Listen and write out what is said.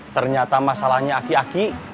ternyata masalahnya aki aki